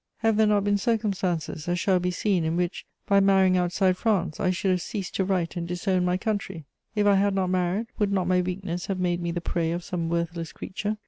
Have there not been circumstances, as shall be seen, in which, by marrying outside France, I should have ceased to write and disowned my country? If I had not married, would not my weakness have made me the prey of some worthless creature?